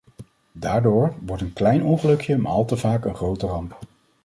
Daardoor wordt een klein ongelukje maar al te vaak een grote ramp.